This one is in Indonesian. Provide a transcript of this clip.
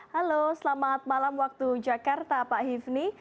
halo selamat malam waktu jakarta pak hivni